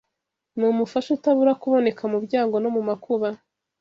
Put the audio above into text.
Ni umufasha utabura kuboneka mu byago no mu makuba